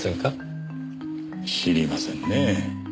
知りませんね。